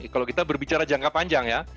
kalau kita berbicara jangka panjang ya